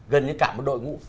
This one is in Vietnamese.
gần như cả một đội ngũ